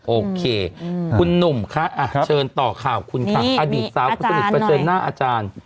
โอเคคุณหนุ่มคะเชิญต่อข่าวคุณค่ะอดีตสาวคนสนิทเผชิญหน้าอาจารย์